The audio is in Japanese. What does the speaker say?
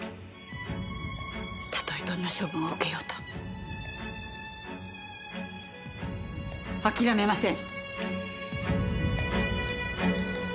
たとえどんな処分を受けようと諦めません。